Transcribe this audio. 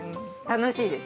楽しいです。